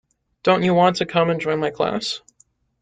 Don't you want to come and join my class?